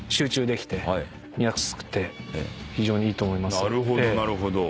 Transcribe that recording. なるほどなるほど。